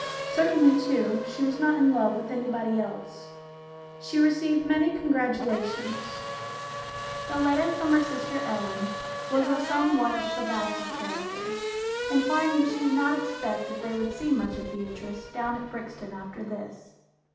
Certainly, too, she was not in love with anybody else. She received many congratulations. The letter from her sister Ellen was of a somewhat subacid character, implying that she did not expect that they would see much of Beatrice down at Brixton after this.